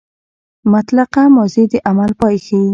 مطلقه ماضي د عمل پای ښيي.